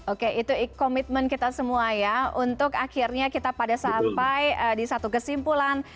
oke itu komitmen kita semua ya untuk akhirnya kita pada sampai di satu kesimpulan